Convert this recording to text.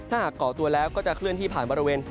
ถ้าหากก่อตัวแล้วก็จะเคลื่อนที่ผ่านบริเวณ